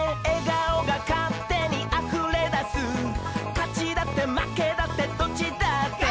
「かちだってまけだってどっちだって」